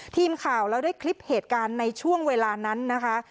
ทีมข่าวเราได้คลิปเหตุการณ์ในช่วงเวลานั้นนะคะ